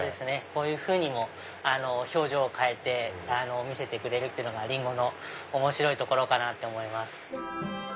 こういうふうにも表情を変えて見せてくれるっていうのがリンゴの面白いところかなって思います。